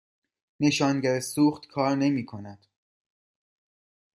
نشانگر سوخت کار نمی کند.